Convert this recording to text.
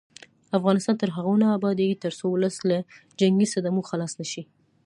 افغانستان تر هغو نه ابادیږي، ترڅو ولس له جنګي صدمو خلاص نشي.